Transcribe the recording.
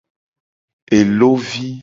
Elo vi.